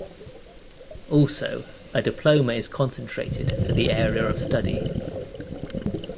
Also, a diploma is concentrated for the area of study.